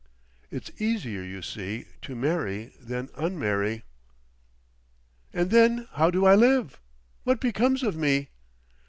It's easier, you see, to marry than unmarry." "And then—how do I live? What becomes of me?"